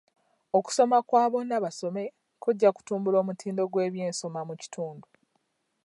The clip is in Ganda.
Okusoma kwa bonnabasome kujja kutumbbula omutindo gw'ebyensoma mu kitundu.